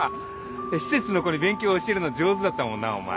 施設の子に勉強教えるの上手だったもんなお前。